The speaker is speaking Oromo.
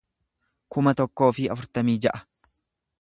kuma tokkoo fi afurtamii ja'a